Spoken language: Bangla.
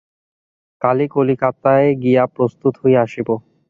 কালই কলিকাতায় গিয়া প্রস্তুত হইয়া আসিব।